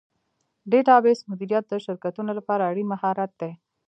ډیټابیس مدیریت د شرکتونو لپاره اړین مهارت دی.